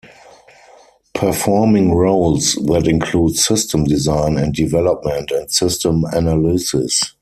Performing roles that include system design and development and system analysis.